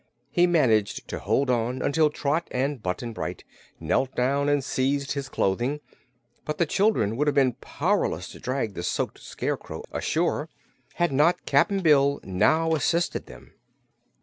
He managed to hold on until Trot and Button Bright knelt down and seized his clothing, but the children would have been powerless to drag the soaked Scarecrow ashore had not Cap'n Bill now assisted them.